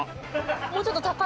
もうちょっと高い。